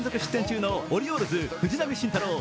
中のオリオールズ・藤浪晋太郎。